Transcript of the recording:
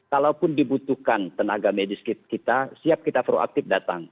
kalaupun dibutuhkan tenaga medis kita siap kita proaktif datang